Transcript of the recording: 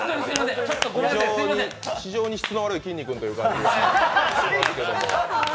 非常に質の悪いきんに君という感じですが。